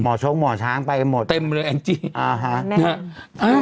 หมอชงหมอช้างไปกันหมดอาฮะนั่นอ่ะ